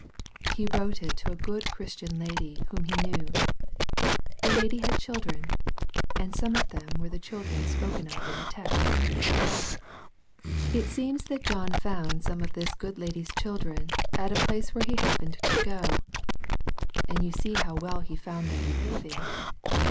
He wrote it to a good Christian lady, whom he knew. This lady had children, and some of them were the children spoken of in the text. 22 SERMONS FOR CHILDREN. It seems that John found some of this good lady's children at a place where he happened to go; and you see how well he found them behaving.